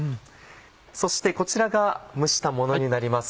そしてこちらが蒸したものになります。